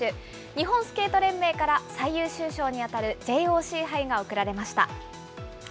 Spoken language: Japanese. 日本スケート連盟から最優秀賞に当たるＪＯＣ杯が贈られました。